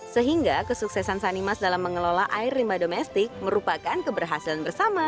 sehingga kesuksesan sanimas dalam mengelola air limba domestik merupakan keberhasilan bersama